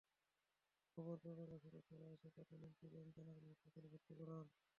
খবর পেয়ে পরিবারের সদস্যরা এসে তাকে মুন্সিগঞ্জ জেনারেল হাসপাতালে ভর্তি করান।